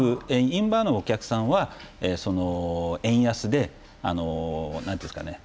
インバウンドのお客さんはその円安であの何と言うんですかね